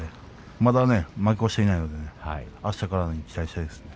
まだ負け越していないのであしたからに期待したいですね。